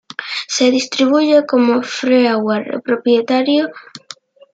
Se distribuye como freeware propietario.